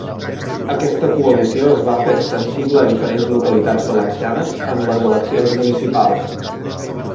Aquesta coalició es va fer extensible a diferents localitats valencianes en les eleccions municipals.